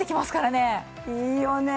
いいよね。